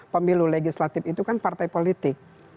pemilu legislatif itu kan partai politik